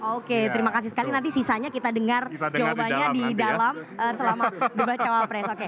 oke terima kasih sekali nanti sisanya kita dengar jawabannya di dalam selama debat cawapres oke